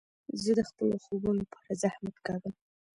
زه د خپلو خوبو له پاره زحمت کاږم.